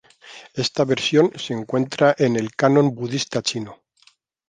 Esta versión se encuentra en el Canon budista chino.